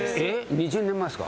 ２０年前すか？